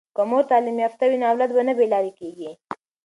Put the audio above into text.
که مور تعلیم یافته وي نو اولاد نه بې لارې کیږي.